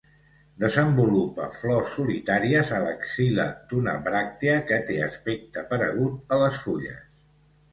Desenvolupa flors solitàries a l'axil·la d'una bràctea que té aspecte paregut a les fulles.